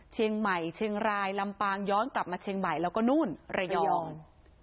เชียงใหม่เชียงรายลำปางย้อนกลับมาเชียงใหม่แล้วก็นู่นระยอง